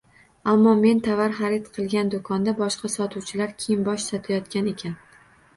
Ammo men tovar xarid qilgan do‘konda boshqa sotuvchilar kiyim-bosh sotayotgan ekan.